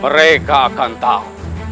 mereka akan tahu